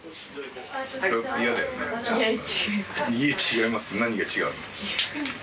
「いや違います」って何が違うの？